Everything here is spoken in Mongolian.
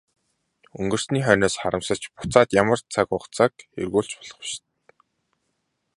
Өнгөрсний хойноос харамсавч буцаад ямар цаг хугацааг эргүүлж болох биш.